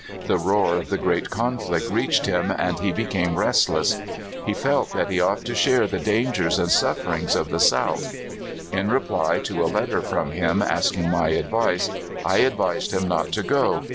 The roar of the great conflict reached him, and he became restless. He felt that he ought to share the dan STEWART. 79 gers and sufferings of the South. In reply to a letter from him asking my advice, I advised him not to go.